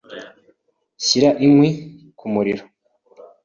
Shyira inkwi ku muriro.